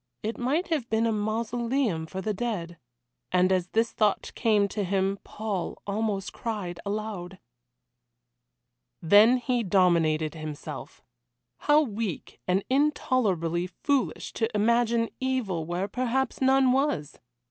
It might have been a mausoleum for the dead. And as this thought came to him Paul almost cried aloud. Then he dominated himself. How weak and intolerably foolish to imagine evil where perhaps none was!